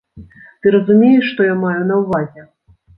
Ты разумееш, што я маю на ўвазе.